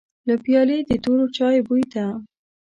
له پيالې د تورو چايو بوی ته.